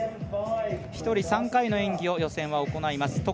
１人３回の演技を予選は行います。